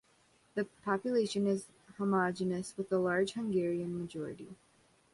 The population is homogeneous with a large Hungarian majority.